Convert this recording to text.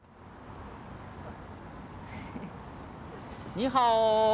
ニーハオ。